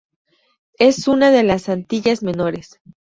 Es una de las Antillas Menores.